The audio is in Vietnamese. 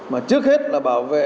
mà trước hết là bảo vệ